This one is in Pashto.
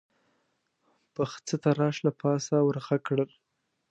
پخڅه تراش له پاسه ور غږ کړل: